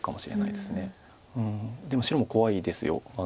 でも白も怖いです。